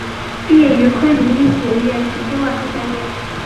毕业于昆明医学院神经外科专业。